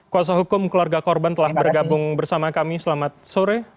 kuasa hukum keluarga korban telah bergabung bersama kami selamat sore